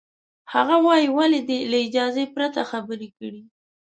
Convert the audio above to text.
هغه وایي، ولې دې له اجازې پرته خبرې کړې؟